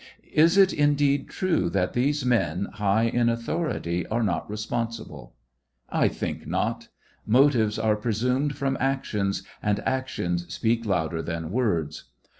Is it indeed true that these men, high in author ity, are not responsible? I think not; motives are presumed from actions, and actions speak louder than words.